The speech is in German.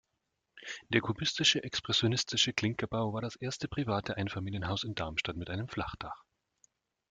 Der kubistische, expressionistische Klinkerbau war das erste private Einfamilienhaus in Darmstadt mit einem Flachdach.